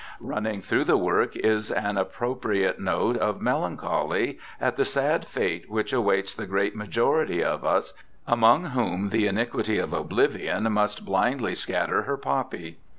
Running through the work is an appro priate note of melancholy at the sad fate which awaits the great majority of us, upon whom 'the iniquity of oblivion must blindl}' scatter her poppy'.